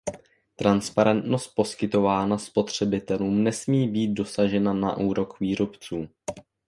Transparentnost poskytovaná spotřebitelům nesmí být dosažena na úkor výrobců.